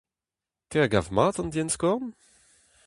Te a gav mat an dienn-skorn ?